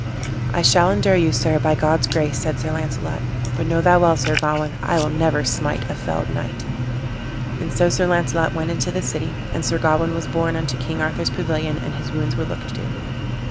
"I shall endure you, sir, by God's grace," said Sir Launcelot, "but know thou well Sir Gawain, I will never smite a felled knight." And so Sir Launcelot went into the city, and Sir Gawain was borne into King Arthur's pavilion, and his wounds were looked to.